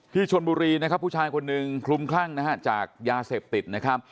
ที่ชนบุรีนะครับผู้ชายคนหนึ่งคลุมคลั่งนะฮะจากยาเสพติดนะครับ